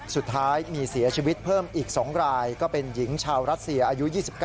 สุดท้ายมีเสียชีวิตเพิ่มอีก๒รายก็เป็นหญิงชาวรัสเซียอายุ๒๙